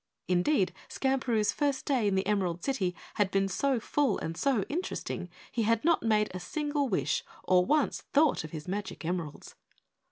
Indeed, Skamperoo's first day in the Emerald City had been so full and so interesting he had not made a single wish or once thought of his magic emeralds.